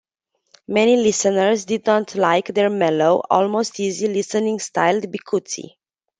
Many listeners did not like their mellow, almost easy listening-styled bikutsi.